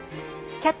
「キャッチ！